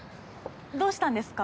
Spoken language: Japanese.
どうしたんですか？